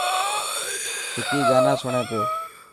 وڪي گانا سوڻي پيو.